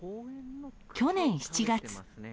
去年７月。